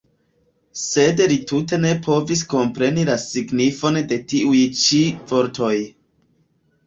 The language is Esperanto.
Sed li tute ne povis kompreni la signifon de tiuj-ĉi vortoj.